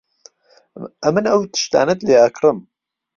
ئەمن ئەو تشتانەت لێ ئەکڕم.